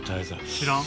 知らん？